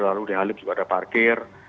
lalu di halim juga ada parkir